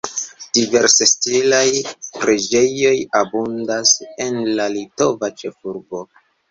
Diversstilaj preĝejoj abundas en la litova ĉefurbo.